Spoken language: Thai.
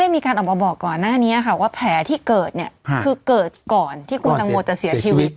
มีการออกมาบอกก่อนหน้านี้ค่ะว่าแผลที่เกิดเนี่ยคือเกิดก่อนที่คุณตังโมจะเสียชีวิต